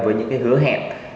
với những cái hứa hẹn